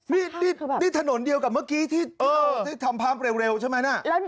นี่ถนนเดียวกับเมื่อกี้ที่ทำพร้อมเร็วใช่มั้ย